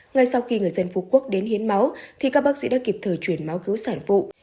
ngay sau khi người dân phú quốc đến hiến máu thì các bác sĩ đã kịp thời chuyển máu cứu sản phụ